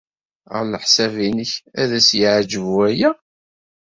Ɣef leḥsab-nnek, ad as-yeɛjeb waya?